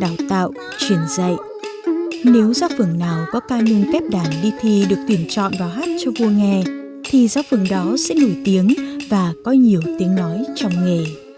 đào tạo truyền dạy nếu giáo phường nào có ca lên kép đảng đi thi được tuyển chọn vào hát cho vua nghe thì giáo phường đó sẽ nổi tiếng và có nhiều tiếng nói trong nghề